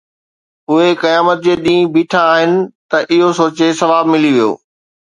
اهي قيامت جي ڏينهن بيٺا آهن، ته اهو سوچي ثواب ملي ويو